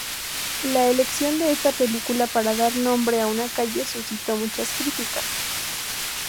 La elección de esta película para dar nombre a una calle suscitó muchas críticas.